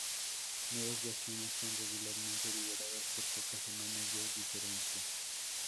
Nuevas versiones son regularmente liberadas por pocas semanas de diferencia.